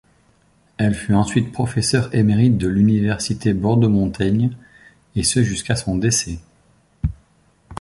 Elle fut ensuite professeur émérite de l’université Bordeaux Montaigne, et ce jusqu'à son décès.